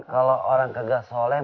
kalau orang kagak soleh